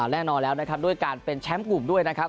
แน่นอนแล้วนะครับด้วยการเป็นแชมป์กลุ่มด้วยนะครับ